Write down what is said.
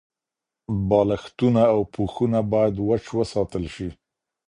بالښتونه او پوښونه باید وچ وساتل شي.